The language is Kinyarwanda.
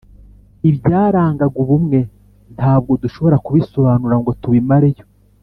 ibyarangaga ubumwe ntabwo dushobora kubisobanura ngo tubimare yo